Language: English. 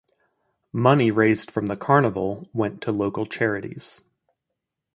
Money raised from the carnival went to local charities.